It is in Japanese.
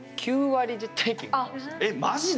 ９割。